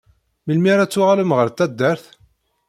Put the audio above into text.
Melmi ara tuɣalem ɣer taddart?